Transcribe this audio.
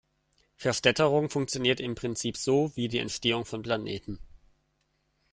Verstädterung funktioniert im Prinzip so wie die Entstehung von Planeten.